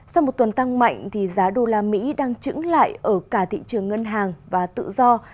sau một tuần tăng mạnh giá đô la mỹ đang trứng lại ở cả thị trường ngân hàng và tự do